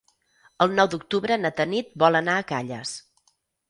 El nou d'octubre na Tanit vol anar a Calles.